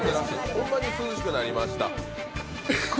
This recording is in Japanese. ほんまに涼しくなりました。